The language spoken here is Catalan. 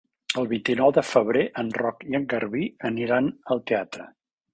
El vint-i-nou de febrer en Roc i en Garbí aniran al teatre.